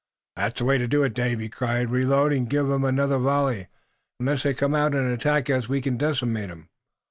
"That's the way to do it, Dave!" he cried. "Reload and give 'em another volley. Unless they come out and attack us we can decimate 'em."